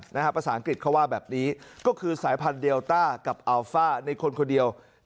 ภาษาอังกฤษเขาว่าแบบนี้ก็คือสายพันธุเดลต้ากับอัลฟ่าในคนคนเดียว